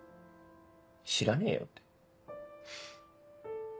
知らねえよってフフ。